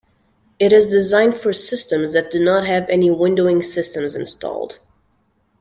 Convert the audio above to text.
It is designed for systems that do not have any windowing systems installed.